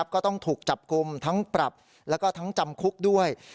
ก็ต้องถูกจับกลุ่มทั้งปรับแล้วก็ทั้งจำคุกด้วย